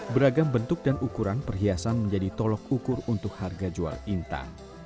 beragam bentuk dan ukuran perhiasan menjadi tolok ukur untuk harga jual intan